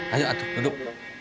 ayo atuh duduk